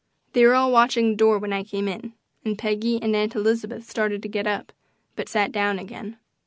They were all watching the door when I came in, and Peggy and Aunt Elizabeth started to get up, but sat down again.